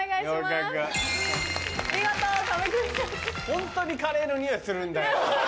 ホントにカレーのニオイするんだよ。